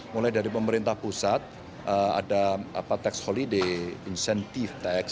mulai dari pemerintah pusat ada tax holiday incentive tax